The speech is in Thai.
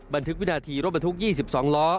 บันทึกวินาทีรถบรรทุก๒๒ล้อ